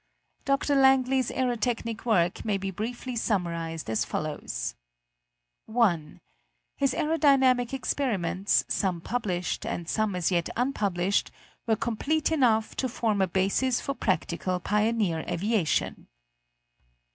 Dr. Langley's aerotechnic work may be briefly summarized as follows: 1. His aerodynamic experiments, some published and some as yet unpublished, were complete enough to form a basis for practical pioneer aviation.